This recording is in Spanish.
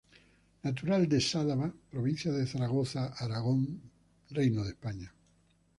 Natural de Sádaba, provincia de Zaragoza, Aragón, Reino de España.